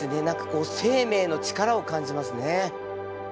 何かこう生命の力を感じますね。